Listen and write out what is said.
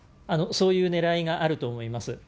そういうねらいがあると思います。